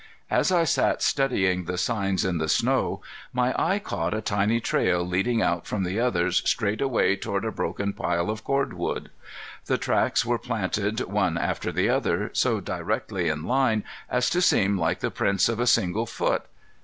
As I sat studying the signs in the snow, my eye caught a tiny trail leading out from the others straight away toward a broken pile of cord wood. The tracks were planted one after the other, so directly in line as to seem like the prints of a single foot.